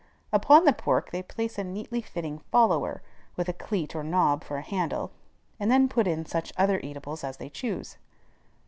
Upon the pork they place a neatly fitting "follower," with a cleat or knob for a handle, and then put in such other eatables as they choose.